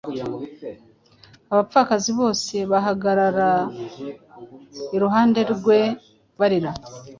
abapfakazi bose bahagarara iruhande rwe barira,